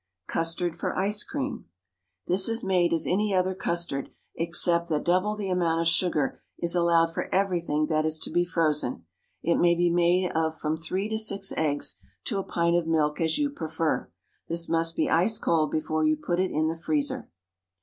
Custard for Ice Cream. This is made as any other custard, except that double the amount of sugar is allowed for everything that is to be frozen. It may be made of from three to six eggs to a pint of milk, as you prefer. This must be ice cold before you put it in the freezer.